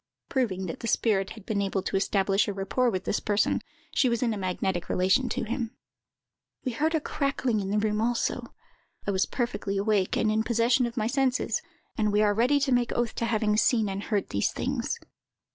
[Proving that the spirit had been able to establish a rapport with this person. She was in a magnetic relation to him.] We heard a crackling in the room also. I was perfectly awake, and in possession of my senses; and we are ready to make oath to having seen and heard these things."